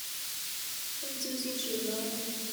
聽朝先算啦